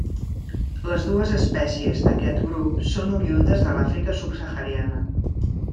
Les dues espècies d'aquest grup són oriündes de l'Àfrica subsahariana.